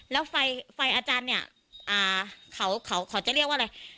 แล้วไฟไฟอาจารย์เนี้ยอ่าเขาเขาเขาจะเรียกว่าอะไร